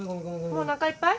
もうおなかいっぱい？